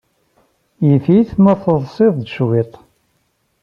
Yif-it ma teḍḍsed cwiṭ.